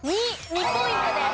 ２ポイントです。